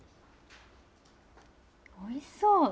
おいしそう。